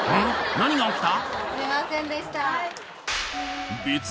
何が起きた？